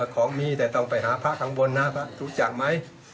ของมีแต่ต้องไปหาพระข้างบนนะพระรู้จักไหม